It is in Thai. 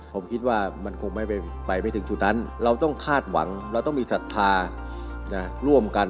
ผมคิดว่ามันคงไม่ไปไม่ถึงจุดนั้นเราต้องคาดหวังเราต้องมีศรัทธาร่วมกัน